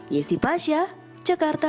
yesi pasha jakarta